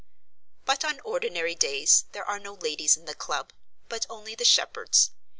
But on ordinary days there are no ladies in the club, but only the shepherds.